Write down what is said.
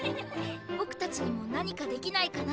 ボクたちにも何かできないかなって。